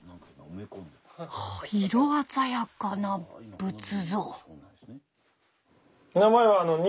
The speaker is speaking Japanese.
色鮮やかな仏像。